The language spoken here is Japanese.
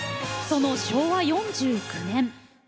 その昭和４９年。